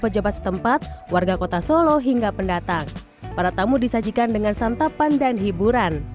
pejabat setempat warga kota solo hingga pendatang para tamu disajikan dengan santapan dan hiburan